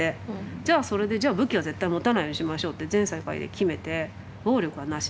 じゃあそれで「じゃあ武器は絶対に持たないようにしましょう」って全世界で決めて「暴力はなし。